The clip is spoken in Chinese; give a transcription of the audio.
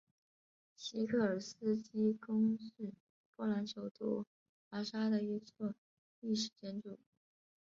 西科尔斯基宫是波兰首都华沙的一座历史建筑。